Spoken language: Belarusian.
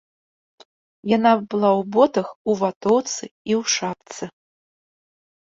Яна была ў ботах, у ватоўцы і ў шапцы.